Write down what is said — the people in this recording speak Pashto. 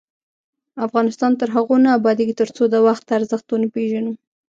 افغانستان تر هغو نه ابادیږي، ترڅو د وخت ارزښت ونه پیژنو.